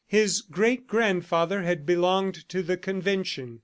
His great grandfather had belonged to the Convention.